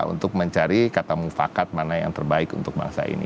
untuk mencari kata mufakat mana yang terbaik untuk bangsa ini